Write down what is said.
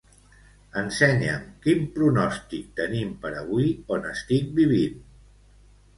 Ensenya'm quin pronòstic tenim per avui on estic vivint.